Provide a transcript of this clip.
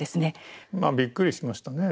まあびっくりしましたね。